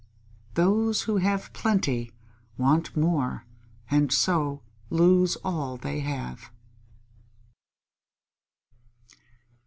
_Those who have plenty want more and so lose all they have.